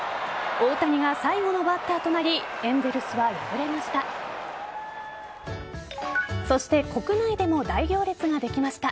大谷が最後のバッターとなりエンゼルスは敗れました。